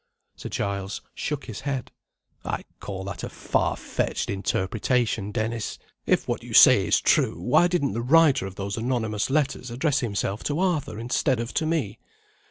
Sir Giles shook his head. "I call that a far fetched interpretation, Dennis. If what you say is true, why didn't the writer of those anonymous letters address himself to Arthur, instead of to me?"